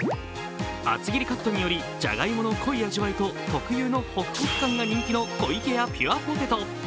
厚切りカットによりじゃがいもの濃い味わいと特有のホクホク感が人気の湖池屋ＰＵＲＥＰＯＴＡＴＯ。